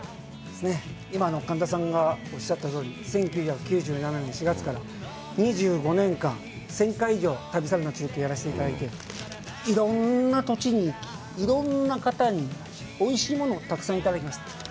今の神田さんがおっしゃったとおり、１９９７年４月から２５年間１０００回以上、旅サラダの中継をやらせていただいて、いろんな土地にいろんな方においしいものをたくさんいただきました。